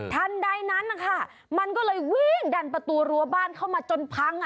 ใดนั้นนะคะมันก็เลยวิ่งดันประตูรั้วบ้านเข้ามาจนพังอ่ะ